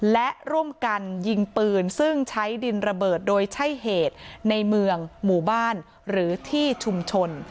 และร่วมกันยิงปืนซึ่งใช้ดินระเบิดโดยใช่เหตุในเมืองหมู่บ้านหรือที่ชุมชน